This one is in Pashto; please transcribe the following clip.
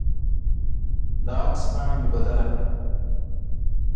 د عکس بڼه مې بدله کړه.